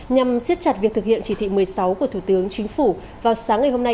nhằm siết chặt việc thực hiện chỉ thị một mươi sáu của thủ tướng chính phủ vào sáng ngày hôm nay